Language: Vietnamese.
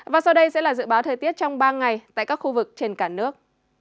và sau đây sẽ là dự báo thời tiết trong ba ngày tại các khu vực trên cả nước